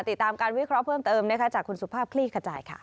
ติดตามการวิเคราะห์เพิ่มเติมนะคะจากคุณสุภาพคลี่ขจายค่ะ